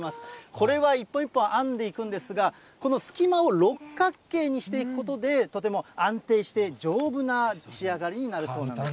これは一本一本編んでいくんですが、この隙間を六角形にしていくことで、とても安定して、丈夫な仕上がりになるそうなんですね。